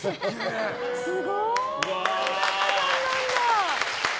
すごい！日高さんなんだ！